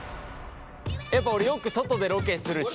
やっぱ俺よく外でロケするし。